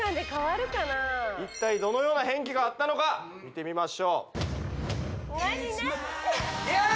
一体どのような変化があったのか見てみましょうイエー！